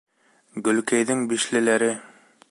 ГӨЛКӘЙҘЕҢ «БИШЛЕ»ЛӘРЕ